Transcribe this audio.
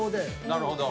なるほど。